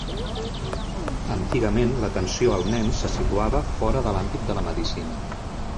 Antigament l'atenció al nen se situava fora de l'àmbit de la medicina.